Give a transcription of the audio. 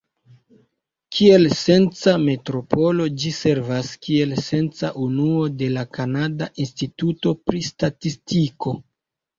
Kiel censa metropolo, ĝi servas kiel censa unuo de la Kanada Instituto pri Statistiko.